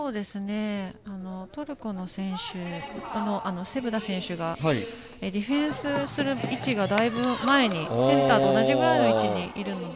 トルコの選手セブダ選手がディフェンスする位置がだいぶ、前にセンターと同じぐらいのところにいるので。